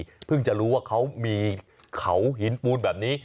แล้วทุกคนก็ยังจะรู้ว่าเขามีเขาหินปูนแบบนี้